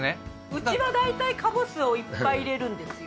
うちは大体カボスをいっぱい入れるんですよ